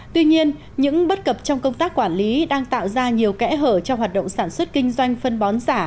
tuy nhiên những bất cập trong công tác quản lý đang tạo ra nhiều kẽ hở cho hoạt động sản xuất kinh doanh phân bón giả